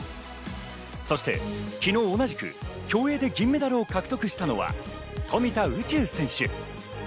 そして昨日同じく競泳で銀メダルを獲得したのは富田宇宙選手。